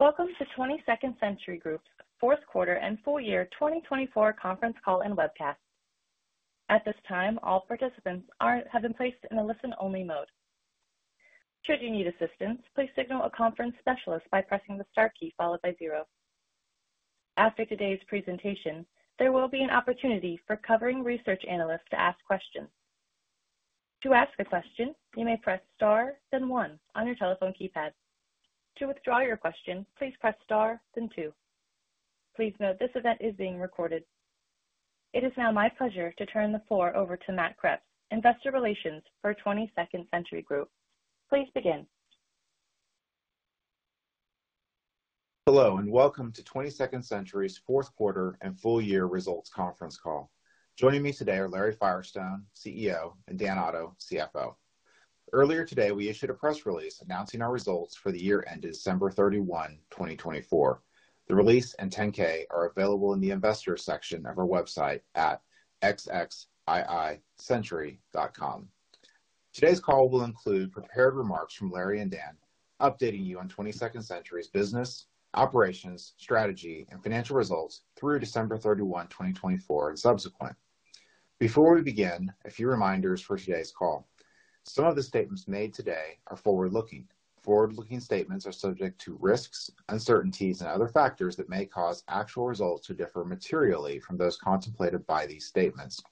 Welcome to 22nd Century Group's Fourth Quarter and Full Year 2024 Conference Call and Webcast. At this time, all participants have been placed in a listen-only mode. Should you need assistance, please signal a conference specialist by pressing the star key followed by zero. After today's presentation, there will be an opportunity for covering research analysts to ask questions. To ask a question, you may press star, then one on your telephone keypad. To withdraw your question, please press star, then two. Please note this event is being recorded. It is now my pleasure to turn the floor over to Matt Kreps, Investor Relations for 22nd Century Group. Please begin. Hello and welcome to 22nd Century's Fourth Quarter and Full Year Results Conference Call. Joining me today are Larry Firestone, CEO, and Dan Otto, CFO. Earlier today, we issued a press release announcing our results for the year ending December 31, 2024. The release and 10-K are available in the Investors section of our website at xxiicentury.com. Today's call will include prepared remarks from Larry and Dan, updating you on 22nd Century's business, operations, strategy, and financial results through December 31, 2024, and subsequent. Before we begin, a few reminders for today's call. Some of the statements made today are forward-looking. Forward-looking statements are subject to risks, uncertainties, and other factors that may cause actual results to differ materially from those contemplated by these statements.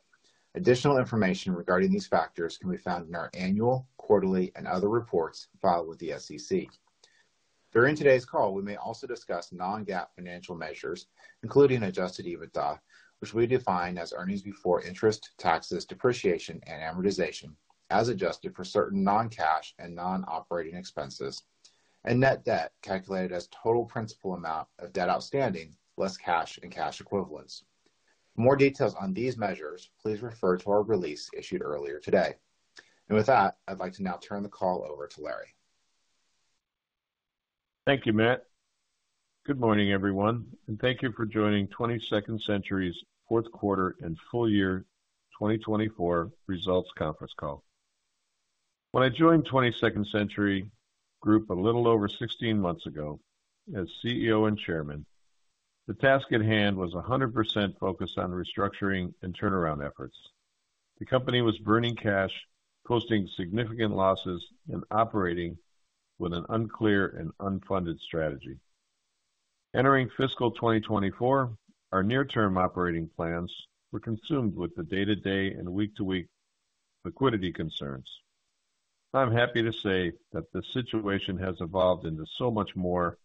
Additional information regarding these factors can be found in our annual, quarterly, and other reports filed with the SEC. During today's call, we may also discuss non-GAAP financial measures, including adjusted EBITDA, which we define as earnings before interest, taxes, depreciation, and amortization as adjusted for certain non-cash and non-operating expenses, and net debt calculated as total principal amount of debt outstanding less cash and cash equivalents. For more details on these measures, please refer to our release issued earlier today. With that, I'd like to now turn the call over to Larry. Thank you, Matt. Good morning, everyone, and thank you for joining 22nd Century's Fourth Quarter and Full Year 2024 Results Conference Call. When I joined 22nd Century Group a little over 16 months ago as CEO and Chairman, the task at hand was 100% focused on restructuring and turnaround efforts. The company was burning cash, posting significant losses, and operating with an unclear and unfunded strategy. Entering fiscal 2024, our near-term operating plans were consumed with the day-to-day and week-to-week liquidity concerns. I'm happy to say that the situation has evolved into so much more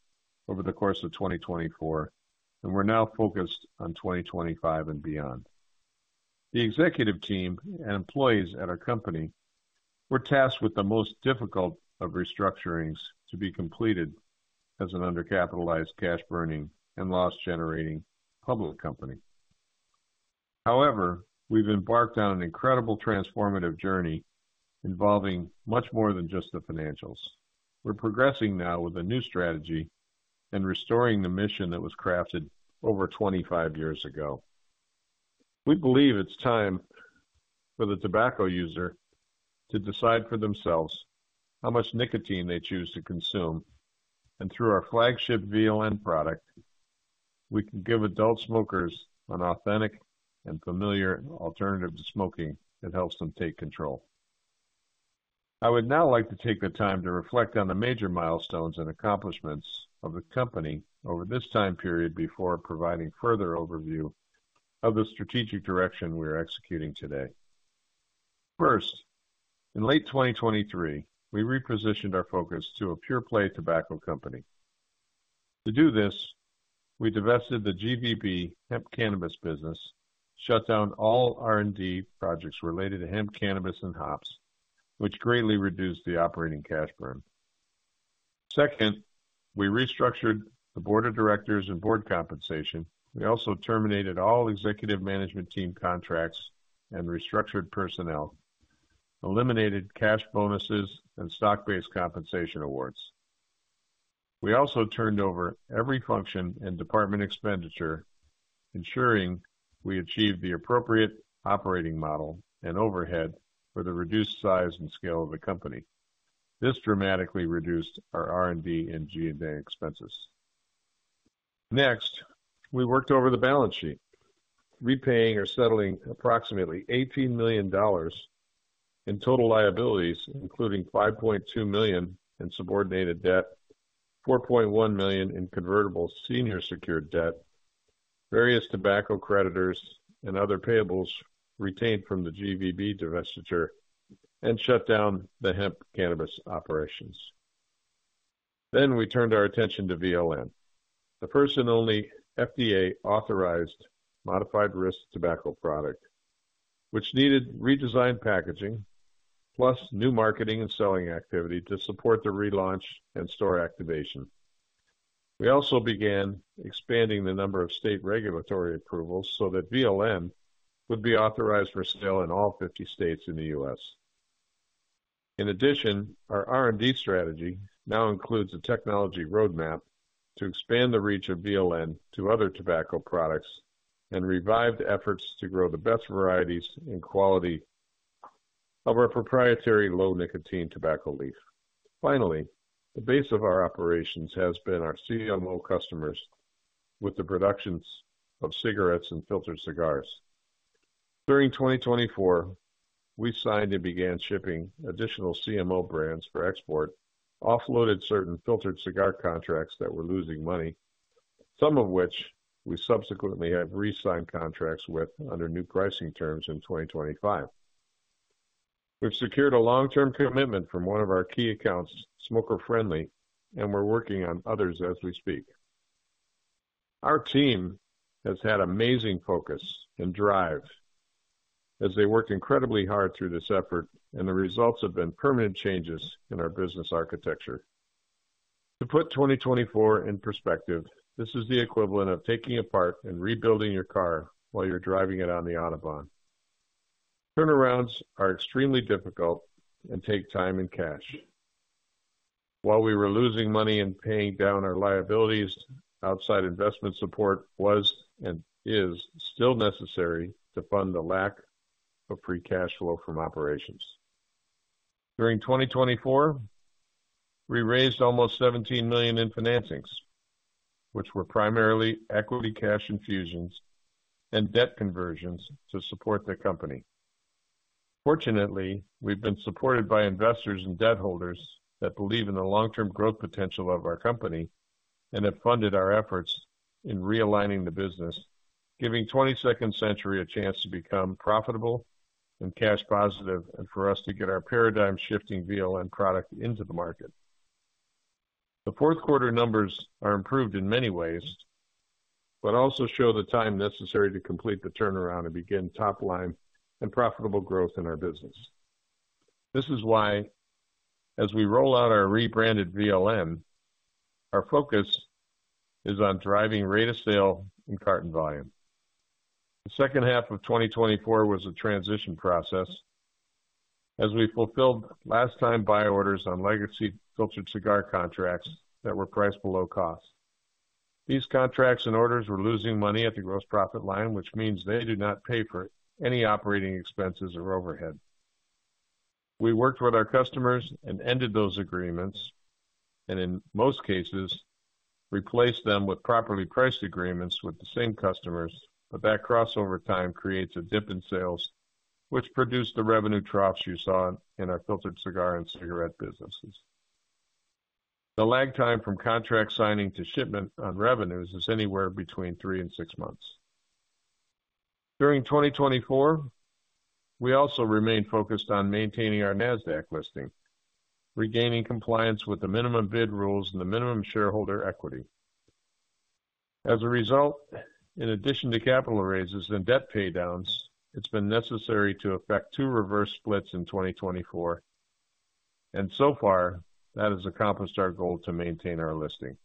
over the course of 2024, and we're now focused on 2025 and beyond. The executive team and employees at our company were tasked with the most difficult of restructurings to be completed as an undercapitalized, cash-burning, and loss-generating public company. However, we've embarked on an incredible transformative journey involving much more than just the financials. We're progressing now with a new strategy and restoring the mission that was crafted over 25 years ago. We believe it's time for the tobacco user to decide for themselves how much nicotine they choose to consume, and through our flagship VLN product, we can give adult smokers an authentic and familiar alternative to smoking that helps them take control. I would now like to take the time to reflect on the major milestones and accomplishments of the company over this time period before providing further overview of the strategic direction we are executing today. First, in late 2023, we repositioned our focus to a pure-play tobacco company. To do this, we divested the GVB hemp cannabis business, shut down all R&D projects related to hemp cannabis and hops, which greatly reduced the operating cash burn. Second, we restructured the board of directors and board compensation. We also terminated all executive management team contracts and restructured personnel, eliminated cash bonuses, and stock-based compensation awards. We also turned over every function and department expenditure, ensuring we achieved the appropriate operating model and overhead for the reduced size and scale of the company. This dramatically reduced our R&D and G&A expenses. Next, we worked over the balance sheet, repaying or settling approximately $18 million in total liabilities, including $5.2 million in subordinated debt, $4.1 million in convertible senior secured debt, various tobacco creditors, and other payables retained from the GVB divestiture, and shut down the hemp cannabis operations. We turned our attention to VLN, the first and only FDA-authorized modified risk tobacco product, which needed redesigned packaging, plus new marketing and selling activity to support the relaunch and store activation. We also began expanding the number of state regulatory approvals so that VLN would be authorized for sale in all 50 states in the U.S. In addition, our R&D strategy now includes a technology roadmap to expand the reach of VLN to other tobacco products and revived efforts to grow the best varieties and quality of our proprietary low-nicotine tobacco leaf. Finally, the base of our operations has been our CMO customers with the productions of cigarettes and filtered cigars. During 2024, we signed and began shipping additional CMO brands for export, offloaded certain filtered cigar contracts that were losing money, some of which we subsequently have re-signed contracts with under new pricing terms in 2025. We've secured a long-term commitment from one of our key accounts, Smoker Friendly, and we're working on others as we speak. Our team has had amazing focus and drive as they worked incredibly hard through this effort, and the results have been permanent changes in our business architecture. To put 2024 in perspective, this is the equivalent of taking apart and rebuilding your car while you're driving it on the Autobahn. Turnarounds are extremely difficult and take time and cash. While we were losing money and paying down our liabilities, outside investment support was and is still necessary to fund the lack of free cash flow from operations. During 2024, we raised almost $17 million in financings, which were primarily equity cash infusions and debt conversions to support the company. Fortunately, we've been supported by investors and debt holders that believe in the long-term growth potential of our company and have funded our efforts in realigning the business, giving 22nd Century Group a chance to become profitable and cash positive and for us to get our paradigm-shifting VLN product into the market. The fourth quarter numbers are improved in many ways, but also show the time necessary to complete the turnaround and begin top-line and profitable growth in our business. This is why, as we roll out our rebranded VLN, our focus is on driving rate of sale and carton volume. The second half of 2024 was a transition process as we fulfilled last-time buy orders on legacy filtered cigar contracts that were priced below cost. These contracts and orders were losing money at the gross profit line, which means they do not pay for any operating expenses or overhead. We worked with our customers and ended those agreements and, in most cases, replaced them with properly priced agreements with the same customers, but that crossover time creates a dip in sales, which produced the revenue troughs you saw in our filtered cigar and cigarette businesses. The lag time from contract signing to shipment on revenues is anywhere between three and six months. During 2024, we also remained focused on maintaining our NASDAQ listing, regaining compliance with the minimum bid rules and the minimum shareholder equity. As a result, in addition to capital raises and debt paydowns, it's been necessary to effect two reverse splits in 2024, and so far, that has accomplished our goal to maintain our listing.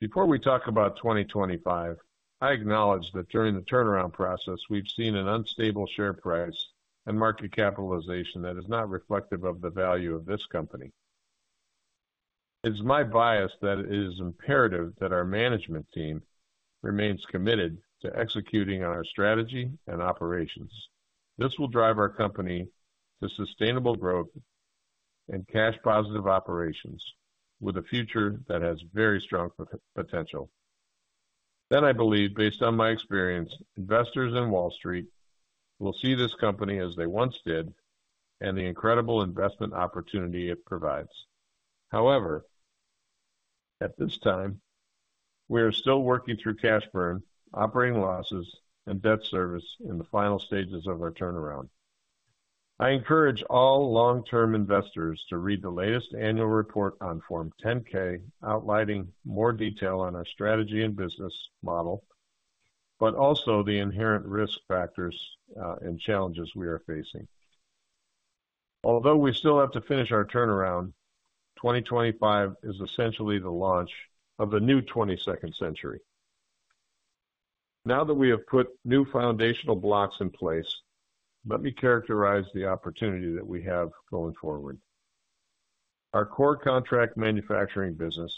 Before we talk about 2025, I acknowledge that during the turnaround process, we've seen an unstable share price and market capitalization that is not reflective of the value of this company. It's my bias that it is imperative that our management team remains committed to executing our strategy and operations. This will drive our company to sustainable growth and cash-positive operations with a future that has very strong potential. I believe, based on my experience, investors and Wall Street will see this company as they once did and the incredible investment opportunity it provides. However, at this time, we are still working through cash burn, operating losses, and debt service in the final stages of our turnaround. I encourage all long-term investors to read the latest annual report on Form 10-K, outlining more detail on our strategy and business model, but also the inherent risk factors and challenges we are facing. Although we still have to finish our turnaround, 2025 is essentially the launch of the new 22nd Century. Now that we have put new foundational blocks in place, let me characterize the opportunity that we have going forward. Our core contract manufacturing business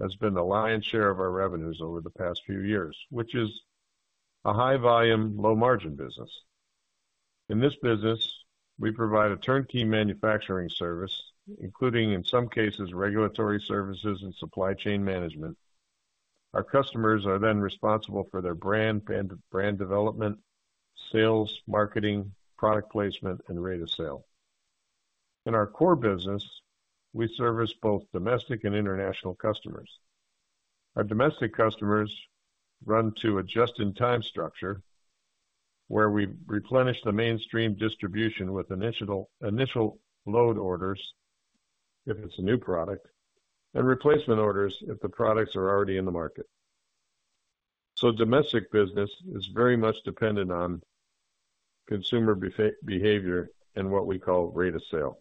has been the lion's share of our revenues over the past few years, which is a high-volume, low-margin business. In this business, we provide a turnkey manufacturing service, including, in some cases, regulatory services and supply chain management. Our customers are then responsible for their brand and brand development, sales, marketing, product placement, and rate of sale. In our core business, we service both domestic and international customers. Our domestic customers run to a just-in-time structure where we replenish the mainstream distribution with initial load orders if it's a new product and replacement orders if the products are already in the market. Domestic business is very much dependent on consumer behavior and what we call rate of sale.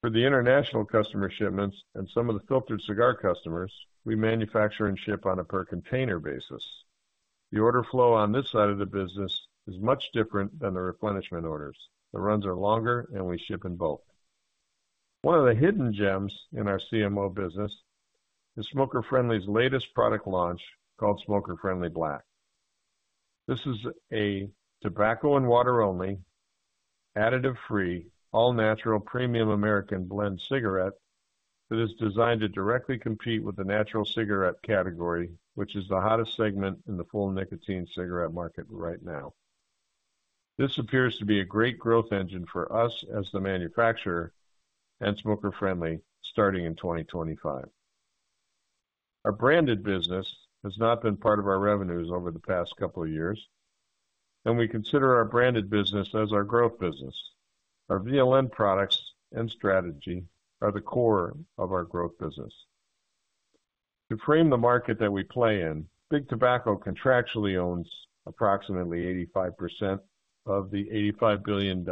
For the international customer shipments and some of the filtered cigar customers, we manufacture and ship on a per-container basis. The order flow on this side of the business is much different than the replenishment orders. The runs are longer, and we ship in bulk. One of the hidden gems in our CMO business is Smoker Friendly's latest product launch called Smoker Friendly Black. This is a tobacco and water-only, additive-free, all-natural premium American blend cigarette that is designed to directly compete with the natural cigarette category, which is the hottest segment in the full nicotine cigarette market right now. This appears to be a great growth engine for us as the manufacturer and Smoker Friendly starting in 2025. Our branded business has not been part of our revenues over the past couple of years, and we consider our branded business as our growth business. Our VLN products and strategy are the core of our growth business. To frame the market that we play in, Big Tobacco contractually owns approximately 85% of the $85 billion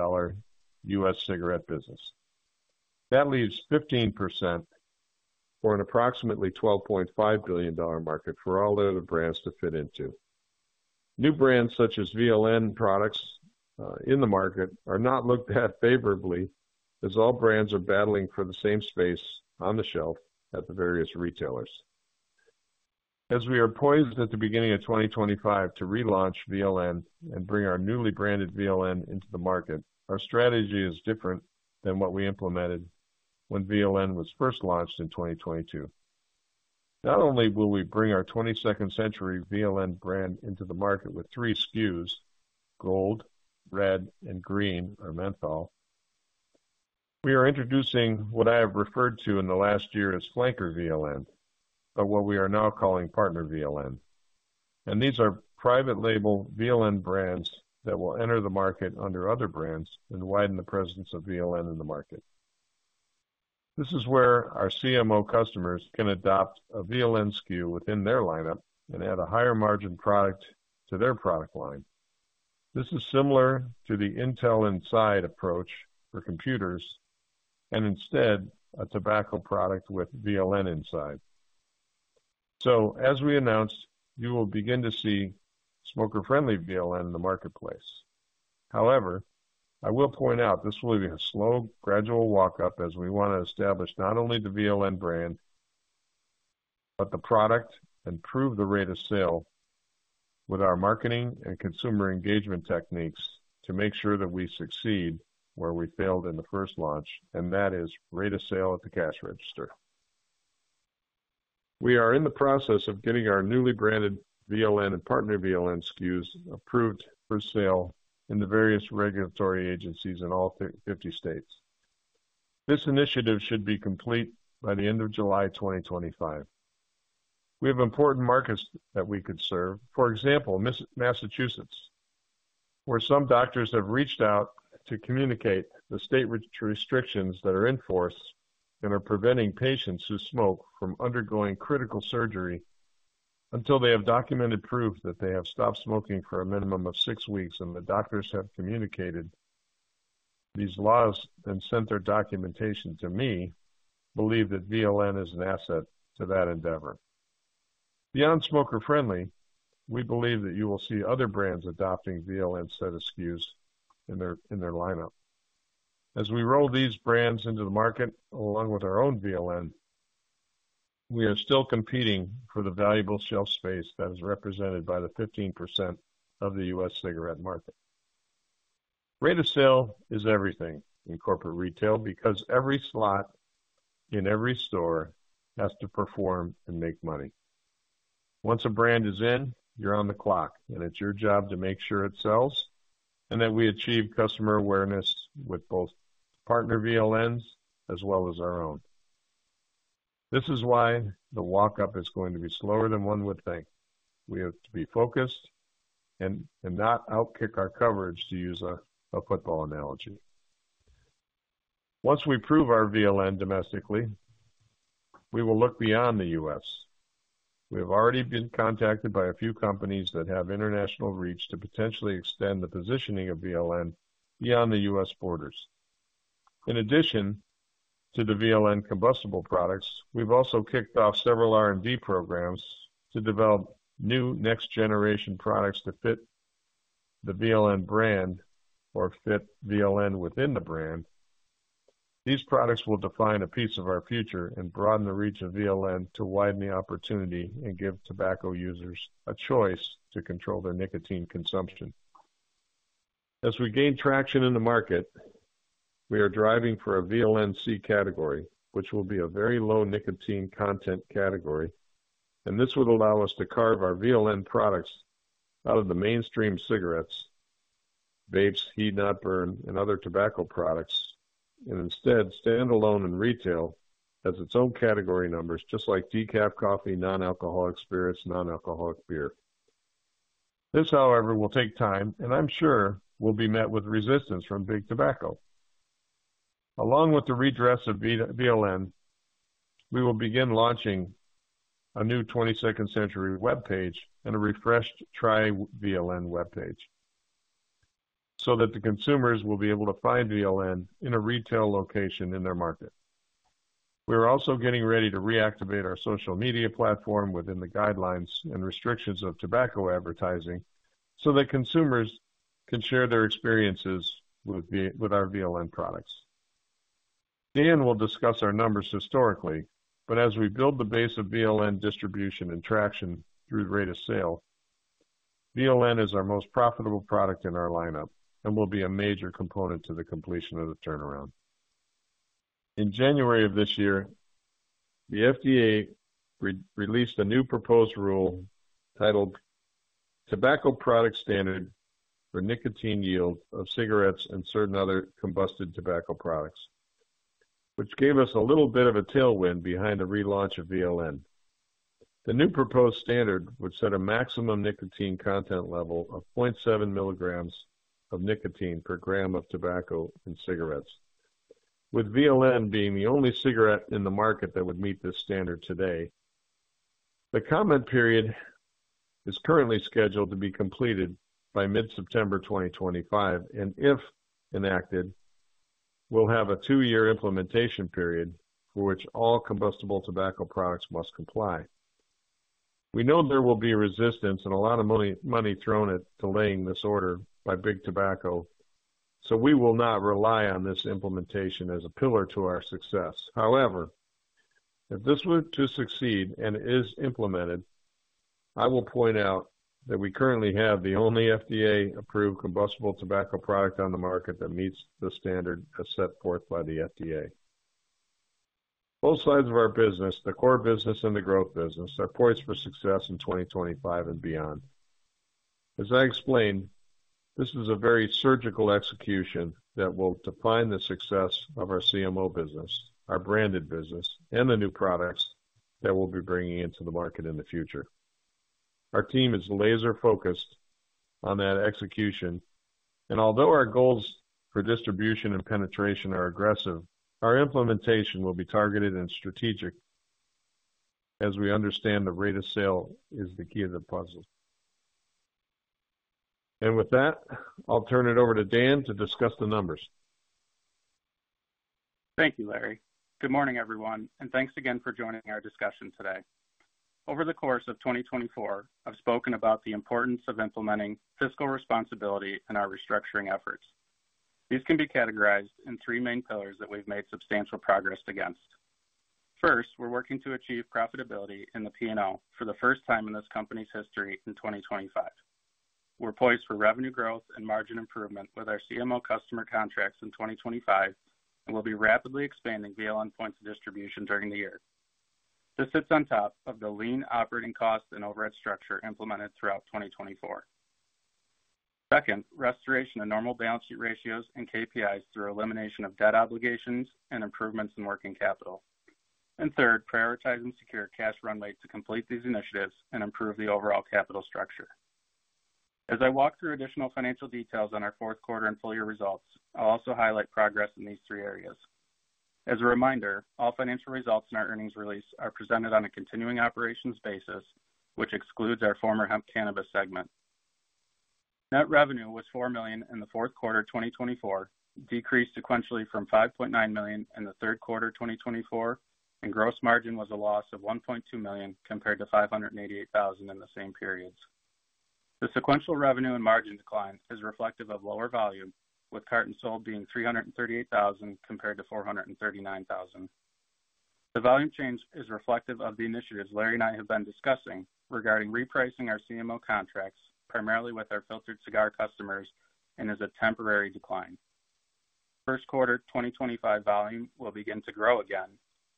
U.S. cigarette business. That leaves 15% for an approximately $12.5 billion market for all other brands to fit into. New brands such as VLN products in the market are not looked at favorably as all brands are battling for the same space on the shelf at the various retailers. As we are poised at the beginning of 2025 to relaunch VLN and bring our newly branded VLN into the market, our strategy is different than what we implemented when VLN was first launched in 2022. Not only will we bring our 22nd Century VLN brand into the market with three SKUs, gold, red, and green, or menthol, we are introducing what I have referred to in the last year as Flanker VLN, but what we are now calling Partner VLN. These are private label VLN brands that will enter the market under other brands and widen the presence of VLN in the market. This is where our CMO customers can adopt a VLN SKU within their lineup and add a higher margin product to their product line. This is similar to the Intel Inside approach for computers and instead a tobacco product with VLN inside. As we announced, you will begin to see Smoker Friendly VLN in the marketplace. However, I will point out this will be a slow, gradual walk-up as we want to establish not only the VLN brand, but the product and prove the rate of sale with our marketing and consumer engagement techniques to make sure that we succeed where we failed in the first launch, and that is rate of sale at the cash register. We are in the process of getting our newly branded VLN and Partner VLN SKUs approved for sale in the various regulatory agencies in all 50 states. This initiative should be complete by the end of July 2025. We have important markets that we could serve. For example, Massachusetts, where some doctors have reached out to communicate the state restrictions that are in force and are preventing patients who smoke from undergoing critical surgery until they have documented proof that they have stopped smoking for a minimum of six weeks, and the doctors have communicated these laws and sent their documentation to me, believe that VLN is an asset to that endeavor. Beyond Smoker Friendly, we believe that you will see other brands adopting VLN set of SKUs in their lineup. As we roll these brands into the market along with our own VLN, we are still competing for the valuable shelf space that is represented by the 15% of the U.S. cigarette market. Rate of sale is everything in corporate retail because every slot in every store has to perform and make money. Once a brand is in, you're on the clock, and it's your job to make sure it sells and that we achieve customer awareness with both partner VLNs as well as our own. This is why the walk-up is going to be slower than one would think. We have to be focused and not outkick our coverage, to use a football analogy. Once we prove our VLN domestically, we will look beyond the U.S. We have already been contacted by a few companies that have international reach to potentially extend the positioning of VLN beyond the U.S. borders. In addition to the VLN combustible products, we've also kicked off several R&D programs to develop new next-generation products to fit the VLN brand or fit VLN within the brand. These products will define a piece of our future and broaden the reach of VLN to widen the opportunity and give tobacco users a choice to control their nicotine consumption. As we gain traction in the market, we are driving for a VLNC category, which will be a very low nicotine content category, and this would allow us to carve our VLN products out of the mainstream cigarettes, vapes, heat-not-burn, and other tobacco products, and instead stand alone in retail as its own category numbers, just like decaf coffee, non-alcoholic spirits, non-alcoholic beer. This, however, will take time, and I'm sure will be met with resistance from Big Tobacco. Along with the redress of VLN, we will begin launching a new 22nd Century web page and a refreshed Try VLN web page so that the consumers will be able to find VLN in a retail location in their market. We are also getting ready to reactivate our social media platform within the guidelines and restrictions of tobacco advertising so that consumers can share their experiences with our VLN products. Dan will discuss our numbers historically, but as we build the base of VLN distribution and traction through rate of sale, VLN is our most profitable product in our lineup and will be a major component to the completion of the turnaround. In January of this year, the FDA released a new proposed rule titled Tobacco Product Standard for Nicotine Yield of Cigarettes and Certain Other Combusted Tobacco Products, which gave us a little bit of a tailwind behind the relaunch of VLN. The new proposed standard would set a maximum nicotine content level of 0.7 mg of nicotine per gram of tobacco and cigarettes, with VLN being the only cigarette in the market that would meet this standard today. The comment period is currently scheduled to be completed by mid-September 2025, and if enacted, we'll have a two-year implementation period for which all combustible tobacco products must comply. We know there will be resistance and a lot of money thrown at delaying this order by Big Tobacco, so we will not rely on this implementation as a pillar to our success. However, if this were to succeed and is implemented, I will point out that we currently have the only FDA-approved combustible tobacco product on the market that meets the standard set forth by the FDA. Both sides of our business, the core business and the growth business, are poised for success in 2025 and beyond. As I explained, this is a very surgical execution that will define the success of our CMO business, our branded business, and the new products that we'll be bringing into the market in the future. Our team is laser-focused on that execution, and although our goals for distribution and penetration are aggressive, our implementation will be targeted and strategic as we understand the rate of sale is the key to the puzzle. With that, I'll turn it over to Dan to discuss the numbers. Thank you, Larry. Good morning, everyone, and thanks again for joining our discussion today. Over the course of 2024, I've spoken about the importance of implementing fiscal responsibility in our restructuring efforts. These can be categorized in three main pillars that we've made substantial progress against. First, we're working to achieve profitability in the P&L for the first time in this company's history in 2025. We're poised for revenue growth and margin improvement with our CMO customer contracts in 2025, and we'll be rapidly expanding VLN points of distribution during the year. This sits on top of the lean operating cost and overhead structure implemented throughout 2024. Second, restoration of normal balance sheet ratios and KPIs through elimination of debt obligations and improvements in working capital. Third, prioritizing secure cash runway to complete these initiatives and improve the overall capital structure. As I walk through additional financial details on our fourth quarter and full year results, I'll also highlight progress in these three areas. As a reminder, all financial results in our earnings release are presented on a continuing operations basis, which excludes our former hemp cannabis segment. Net revenue was $4 million in the fourth quarter of 2024, decreased sequentially from $5.9 million in the third quarter of 2024, and gross margin was a loss of $1.2 million compared to $588,000 in the same periods. The sequential revenue and margin decline is reflective of lower volume, with cartons sold being 338,000 compared to 439,000. The volume change is reflective of the initiatives Larry and I have been discussing regarding repricing our CMO contracts, primarily with our filtered cigar customers, and is a temporary decline. First quarter 2025 volume will begin to grow again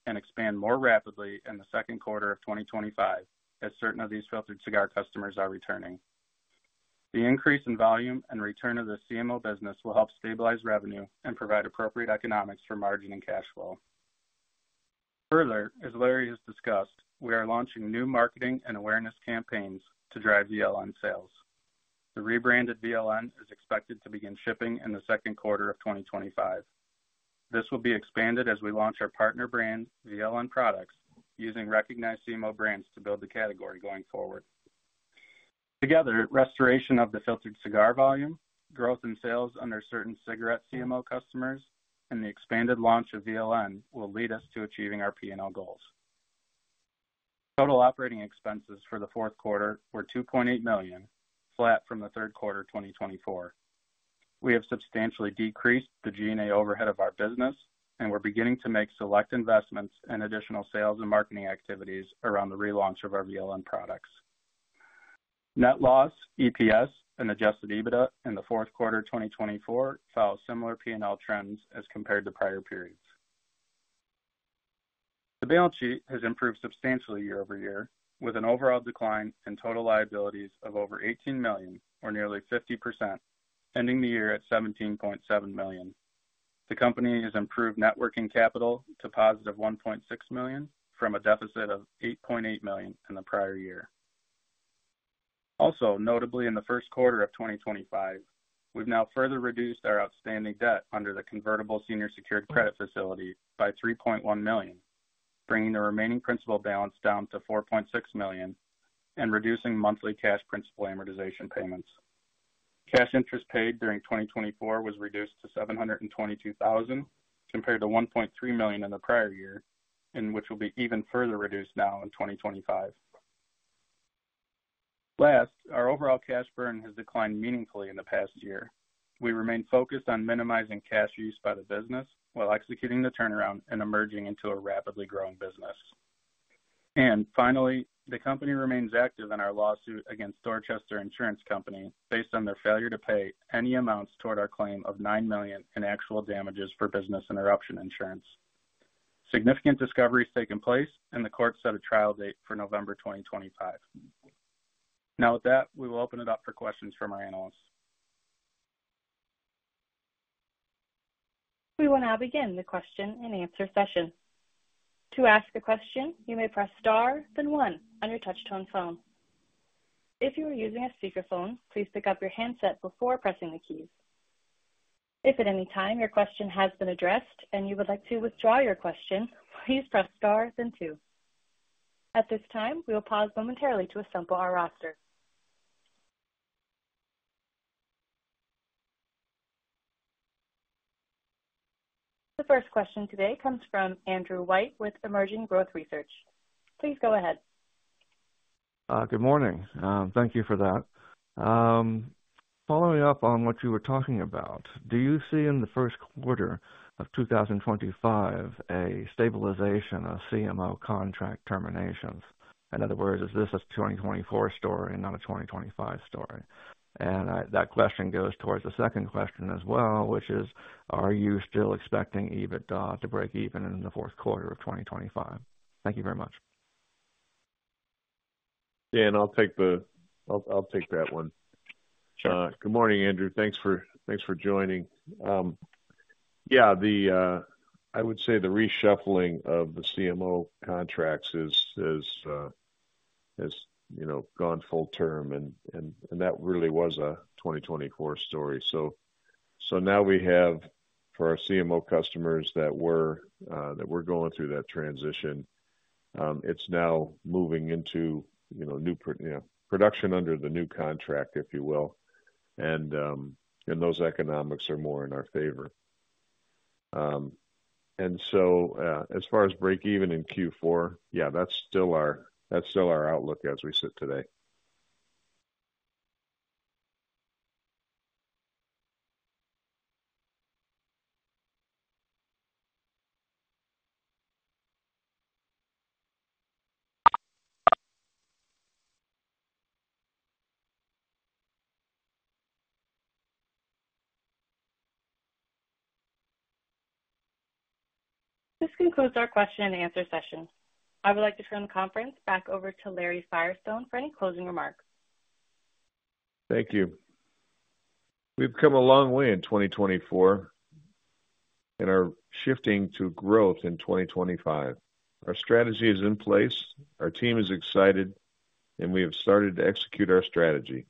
and expand more rapidly in the second quarter of 2025 as certain of these filtered cigar customers are returning. The increase in volume and return of the CMO business will help stabilize revenue and provide appropriate economics for margin and cash flow. Further, as Larry has discussed, we are launching new marketing and awareness campaigns to drive VLN sales. The rebranded VLN is expected to begin shipping in the second quarter of 2025. This will be expanded as we launch our partner brand VLN products using recognized CMO brands to build the category going forward. Together, restoration of the filtered cigar volume, growth in sales under certain cigarette CMO customers, and the expanded launch of VLN will lead us to achieving our P&L goals. Total operating expenses for the fourth quarter were $2.8 million, flat from the third quarter 2024. We have substantially decreased the G&A overhead of our business, and we're beginning to make select investments in additional sales and marketing activities around the relaunch of our VLN products. Net loss, EPS, and adjusted EBITDA in the fourth quarter 2024 follow similar P&L trends as compared to prior periods. The balance sheet has improved substantially year-over-year, with an overall decline in total liabilities of over $18 million, or nearly 50%, ending the year at $17.7 million. The company has improved net working capital to positive $1.6 million from a deficit of $8.8 million in the prior year. Also, notably in the first quarter of 2025, we've now further reduced our outstanding debt under the convertible senior secured credit facility by $3.1 million, bringing the remaining principal balance down to $4.6 million and reducing monthly cash principal amortization payments. Cash interest paid during 2024 was reduced to $722,000 compared to $1.3 million in the prior year, which will be even further reduced now in 2025. Last, our overall cash burn has declined meaningfully in the past year. We remain focused on minimizing cash use by the business while executing the turnaround and emerging into a rapidly growing business. Finally, the company remains active in our lawsuit against Dorchester Insurance Company based on their failure to pay any amounts toward our claim of $9 million in actual damages for business interruption insurance. Significant discovery has taken place, and the court set a trial date for November 2025. Now with that, we will open it up for questions from our analysts. We will now begin the question and answer session. To ask a question, you may press star, then one on your touch-tone phone. If you are using a speakerphone, please pick up your handset before pressing the keys. If at any time your question has been addressed and you would like to withdraw your question, please press star, then two. At this time, we will pause momentarily to assemble our roster. The first question today comes from Andrew White with Emerging Growth Research. Please go ahead. Good morning. Thank you for that. Following up on what you were talking about, do you see in the first quarter of 2025 a stabilization of CMO contract terminations? In other words, is this a 2024 story and not a 2025 story? That question goes towards the second question as well, which is, are you still expecting EBITDA to break even in the fourth quarter of 2025? Thank you very much. Dan, I'll take that one. Sure. Good morning, Andrew. Thanks for joining. Yeah, I would say the reshuffling of the CMO contracts has gone full term, and that really was a 2024 story. Now we have, for our CMO customers that were going through that transition, it's now moving into production under the new contract, if you will, and those economics are more in our favor. As far as break-even in Q4, yeah, that's still our outlook as we sit today. This concludes our question and answer session. I would like to turn the conference back over to Larry Firestone for any closing remarks. Thank you. We've come a long way in 2024, and we're shifting to growth in 2025. Our strategy is in place, our team is excited, and we have started to execute our strategy.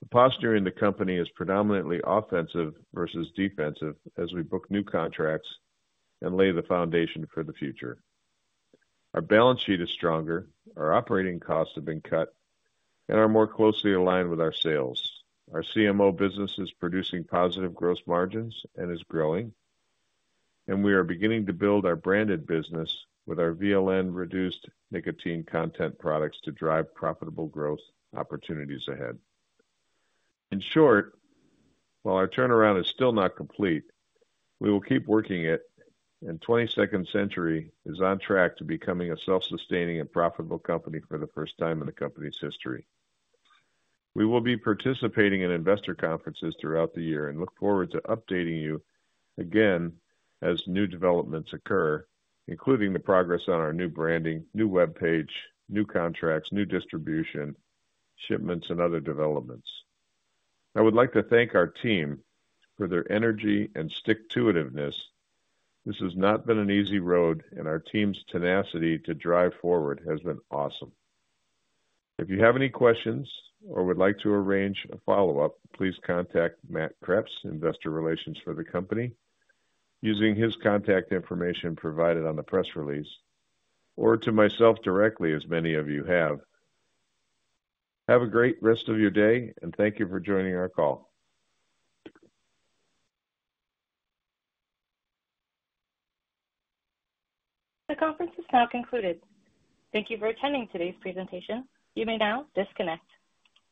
The posture in the company is predominantly offensive versus defensive as we book new contracts and lay the foundation for the future. Our balance sheet is stronger, our operating costs have been cut, and we're more closely aligned with our sales. Our CMO business is producing positive gross margins and is growing, and we are beginning to build our branded business with our VLN-reduced nicotine content products to drive profitable growth opportunities ahead. In short, while our turnaround is still not complete, we will keep working it, and 22nd Century is on track to becoming a self-sustaining and profitable company for the first time in the company's history. We will be participating in investor conferences throughout the year and look forward to updating you again as new developments occur, including the progress on our new branding, new web page, new contracts, new distribution, shipments, and other developments. I would like to thank our team for their energy and stick-to-itiveness. This has not been an easy road, and our team's tenacity to drive forward has been awesome. If you have any questions or would like to arrange a follow-up, please contact Matt Kreps, Investor Relations for the company, using his contact information provided on the press release, or to myself directly, as many of you have. Have a great rest of your day, and thank you for joining our call. The conference is now concluded. Thank you for attending today's presentation. You may now disconnect.